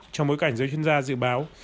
trong mối cảnh giới chuyên gia dự báo